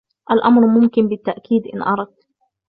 الأمر ممكن بالتأكيد إن أردت.